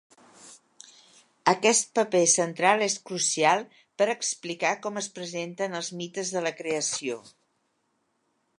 Aquest paper central és crucial per explicar com es presenten els mites de la creació.